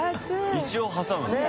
一応挟むんですね。